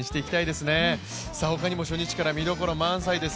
他にも初日から見どころ満載です。